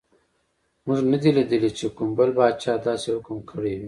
موږ نه دي لیدلي چې کوم بل پاچا داسې حکم کړی وي.